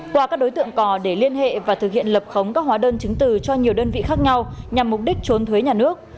qua các đối tượng cò để liên hệ và thực hiện lập khống các hóa đơn chứng từ cho nhiều đơn vị khác nhau nhằm mục đích trốn thuế nhà nước